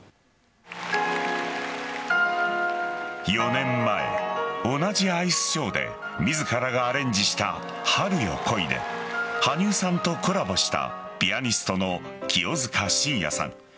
４年前、同じアイスショーで自らがアレンジした「春よ、来い」で羽生さんとコラボしたピアニストの清塚信也さん。